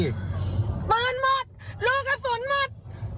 ปืนหมดรูกระสุนหมด